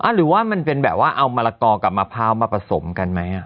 หรือว่ามันเป็นแบบว่าเอามะละกอกับมะพร้าวมาผสมกันไหม